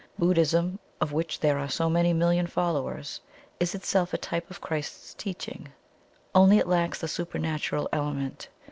Buddhism, of which there are so many million followers, is itself a type of Christ's teaching; only it lacks the supernatural element.